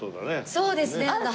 そうですね。